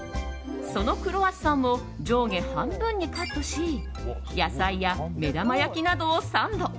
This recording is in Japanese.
そのクロワッサンを上下半分にカットし野菜や目玉焼きなどをサンド。